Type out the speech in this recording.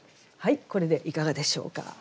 はいこれでいかがでしょうか。